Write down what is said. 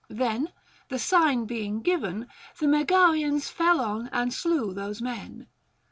Then, the sign being given, the Megarians fell on and slew those men.